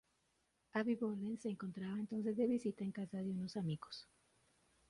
Abbie Borden se encontraba entonces de visita en casa de unos amigos.